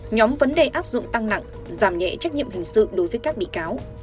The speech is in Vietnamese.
nhóm vấn đề áp dụng tăng nặng giảm nhẹ trách nhiệm hình sự đối với các bị cáo